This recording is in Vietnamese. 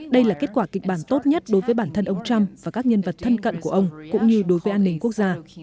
đây là kết quả kịch bản tốt nhất đối với bản thân ông trump và các nhân vật thân cận của ông cũng như đối với an ninh quốc gia